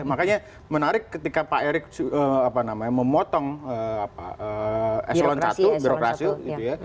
makanya menarik ketika pak erick memotong eselon i birokrasi gitu ya